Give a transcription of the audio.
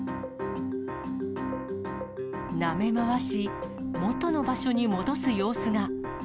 なめ回し、元の場所に戻す様子が。